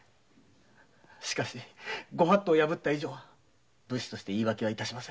しかし御法度を破った上は武士として言い訳はしません。